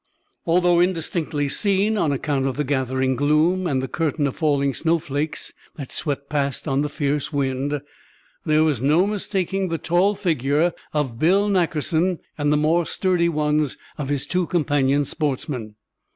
Although indistinctly seen, on account of the gathering gloom and the curtain of falling snow flakes that swept past on the fierce wind, there was no mistaking the tall figure of Bill Nackerson and the more sturdy ones of his two companion sportsmen.